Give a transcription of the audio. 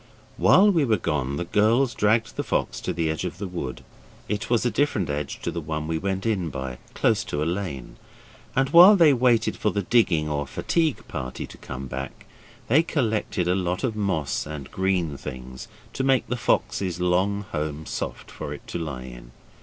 While we were gone the girls dragged the fox to the edge of the wood; it was a different edge to the one we went in by close to a lane and while they waited for the digging or fatigue party to come back, they collected a lot of moss and green things to make the fox's long home soft for it to lie in.